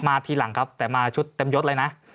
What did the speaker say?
ทีหลังครับแต่มาชุดเต็มยดเลยนะ